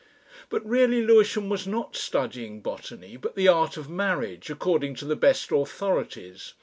But really Lewisham was not studying botany, but the art of marriage according to the best authorities.